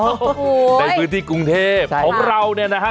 โอ้โหในพื้นที่กรุงเทพของเราเนี่ยนะฮะ